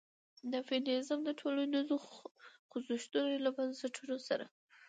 د فيمنيزم د ټولنيزو خوځښتونو له بنسټونو سره